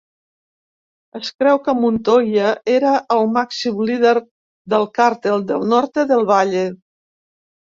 Es creu que Montoya era el màxim líder del Cartel del Norte del Valle.